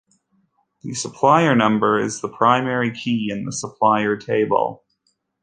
Then, the 'supplier number' is the primary key in the Supplier table.